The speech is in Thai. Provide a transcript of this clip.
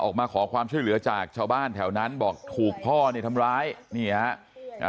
ออกมาขอความช่วยเหลือจากชาวบ้านแถวนั้นบอกถูกพ่อเนี่ยทำร้ายนี่ฮะอ่า